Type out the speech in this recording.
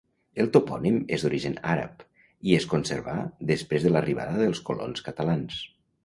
El topònim és d'origen àrab i es conservà després de l'arribada dels colons catalans.